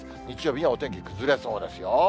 日曜日にはお天気崩れそうですよ。